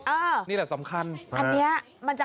อันนี้มันจะ